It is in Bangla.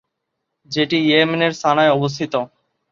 যেটি ইয়েমেনের সানায় অবস্থিত।